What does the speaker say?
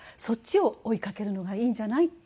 「そっちを追い掛けるのがいいんじゃない？」